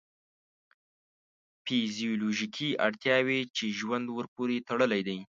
فیزیولوژیکې اړتیاوې چې ژوند ورپورې تړلی دی.